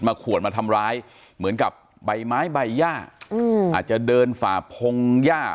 ขวดมาทำร้ายเหมือนกับใบไม้ใบย่าอืมอาจจะเดินฝ่าพงหญ้า